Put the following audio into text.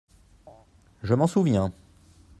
Je m’en souviens.